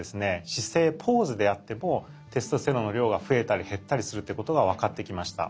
姿勢ポーズであってもテストステロンの量が増えたり減ったりするっていうことが分かってきました。